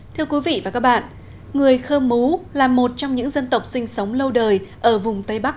thưa quý vị và các bạn người khơ mú là một trong những dân tộc sinh sống lâu đời ở vùng tây bắc